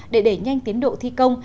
để để nhanh tiến độ thi công